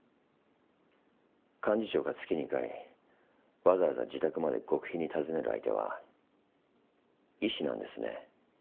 幹事長が月２回わざわざ自宅まで極秘に訪ねる相手は医師なんですね。